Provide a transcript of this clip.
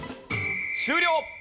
終了！